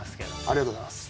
ありがとうございます。